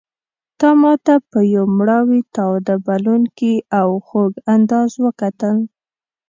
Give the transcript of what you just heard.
تا ماته په یو مړاوي تاوده بلوونکي او خوږ انداز وکتل.